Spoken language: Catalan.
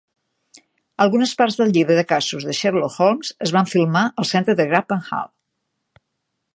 Algunes parts del "Llibre de casos de Sherlock Holmes" es van filmar al centre de Grappenhall.